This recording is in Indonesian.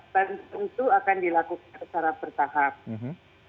tentu akan dilakukan secara bertahap